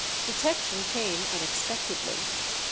Detection came unexpectedly.